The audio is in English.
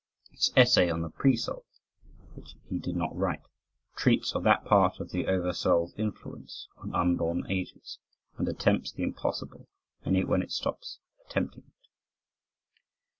His essay on the Pre Soul (which he did not write) treats of that part of the over soul's influence on unborn ages, and attempts the impossible only when it stops attempting it.